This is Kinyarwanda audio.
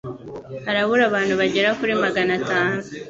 harabura abantu bagera kuri Magana tanu